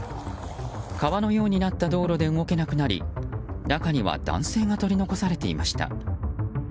川のようになった道路で動けなくなり中には男性が取り残されていました。